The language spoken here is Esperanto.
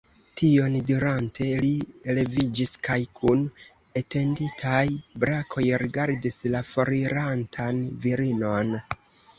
Tion dirante, li leviĝis kaj kun etenditaj brakoj rigardis la forirantan virinon.